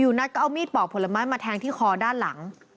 นัทก็เอามีดปอกผลไม้มาแทงที่คอด้านหลัง